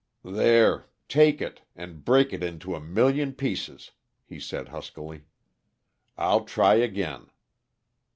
"There take it, and break it into a million pieces," he said huskily. "I'll try again."